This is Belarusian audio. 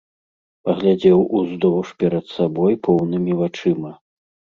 Паглядзеў уздоўж перад сабой поўнымі вачыма.